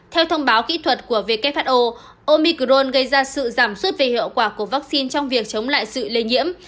theo thông báo kỹ thuật của who omicron gây ra sự giảm suốt về hiệu quả của vaccine trong việc chống lại sự lây nhiễm